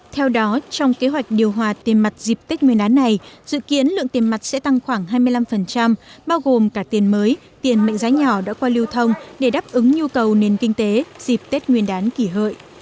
theo đó trong kế hoạch điều hòa tiền mặt dịp tết nguyên đán này dự kiến lượng tiền mặt sẽ tăng khoảng hai mươi năm bao gồm cả tiền mới tiền mệnh giá nhỏ đã qua lưu thông để đáp ứng nhu cầu nền kinh tế dịp tết nguyên đán kỷ hợi